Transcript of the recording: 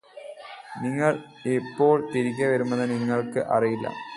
നിങ്ങള് എപ്പോൾ തിരികെ വരുമെന്ന് നിങ്ങള്ക്ക് അറിയില്ല